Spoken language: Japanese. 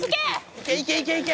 「いけいけいけいけ！」